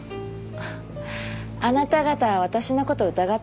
あなた方は私の事を疑ってるんですね。